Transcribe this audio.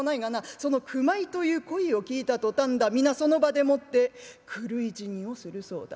その９枚という声を聞いたとたんだ皆その場でもって狂い死にをするそうだ。